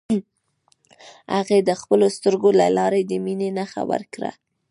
هغې د خپلو سترګو له لارې د مینې نښه ورکړه.